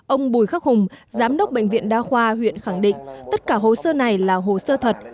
ông bùi khắc hùng giám đốc bệnh viện đa khoa huyện khẳng định tất cả hồ sơ này là hồ sơ thật